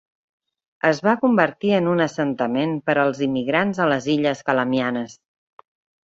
Es va convertir en un assentament per als immigrants a les illes Calamianes.